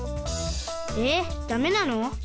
えダメなの？